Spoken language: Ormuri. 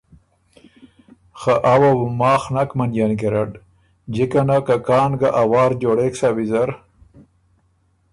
خه آ وه بُو ماخ نک منيېن ګیرډ، جِکه نه که کان ګه ا وار جوړېک سَۀ ویزر